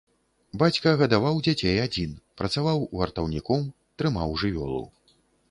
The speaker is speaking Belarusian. Бацька гадаваў дзяцей адзін, працаваў вартаўніком, трымаў жывёлу.